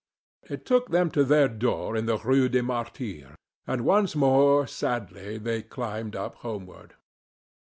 It took them to their door in the Rue des Martyrs, and once more, sadly, they climbed up homeward.